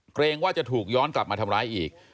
เกรงว่าจะถูกย้อนกลับมาทำร้ายอีก